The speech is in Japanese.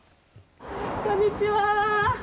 こんにちは。